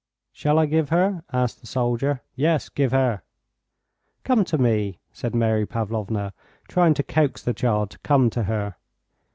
"Shall I give her?" asked the soldier. "Yes, give her." "Come to me," said Mary Pavlovna, trying to coax the child to come to her.